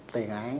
tì ngà án